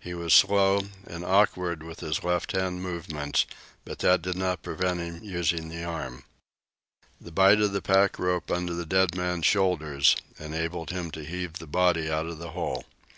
He was slow and awkward with his left hand movements, but that did not prevent his using the arm. The bight of the pack rope under the dead man's shoulders enabled him to heave the body out of the hole.